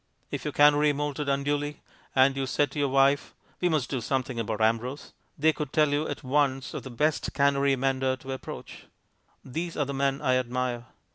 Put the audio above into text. If your canary moulted unduly, and you said to your wife, "We must do something about Ambrose," they could tell you at once of the best canary mender to approach. These are the men I admire.